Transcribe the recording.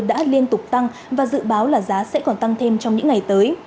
đã liên tục tăng và dự báo là giá sẽ còn tăng thêm trong những ngày tới